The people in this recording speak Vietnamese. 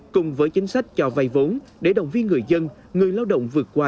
cùng với chính sách cho vai vốn để động viên người dân người lao động vượt qua